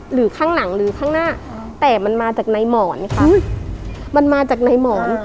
หรือข้างหลังหรือข้างหน้าแต่มันมาจากในหมอนค่ะมันมาจากในหมอน